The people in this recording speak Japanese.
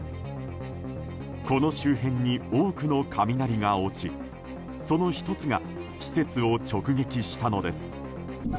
この周辺に多くの雷が落ちその１つが施設を直撃したのです。